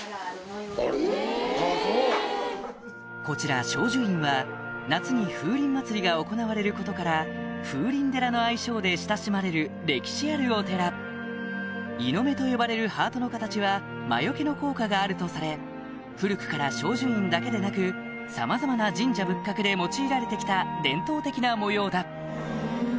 こちら正寿院は夏に風鈴まつりが行われることから「風鈴寺」の愛称で親しまれる歴史あるお寺猪目と呼ばれるハートの形は魔よけの効果があるとされ古くから正寿院だけでなくさまざまな神社仏閣で用いられて来た伝統的な模様だ